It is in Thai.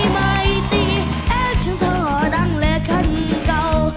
เพลงรอดังและขั้นเก่า